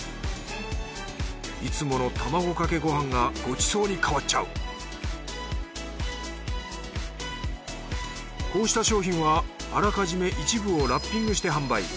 いつもの卵かけごはんがごちそうに変わっちゃうこうした商品はあらかじめ一部をラッピングして販売。